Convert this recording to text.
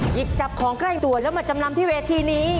หยิบจับของใกล้ตัวแล้วมาจำนำที่เวทีนี้